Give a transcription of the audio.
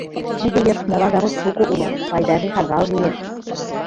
Тиде йыр смола завод шуко уло, пайдаже шагал лиеш.